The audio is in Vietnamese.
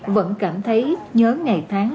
vẫn cảm thấy nhớ ngày tháng